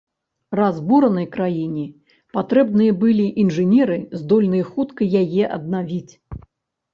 Разбуранай краіне патрэбныя былі інжынеры, здольныя хутка яе аднавіць.